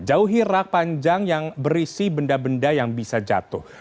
jauhi rak panjang yang berisi benda benda yang bisa jatuh